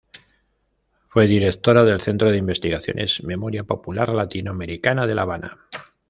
Fue directora del centro de investigaciones Memoria Popular Latinoamericana de La Habana.